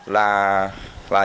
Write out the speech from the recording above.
là giáo dục găng đe